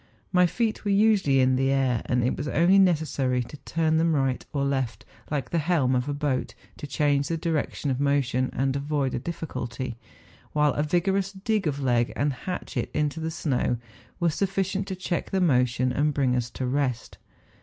My feet were usually in the air, and it was only necessary to turn them right or left, like the helm of a boat, to change the direction of motion and avoid a difficulty, while a vigorous dig of leg and hatchet into the snow was sufficient to THE FIXSTERAARHORN. 49 check the motion and bring us to rest.